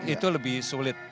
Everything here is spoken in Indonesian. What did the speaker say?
itu lebih sulit